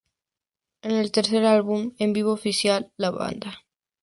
Es el tercer álbum en vivo oficial de la banda.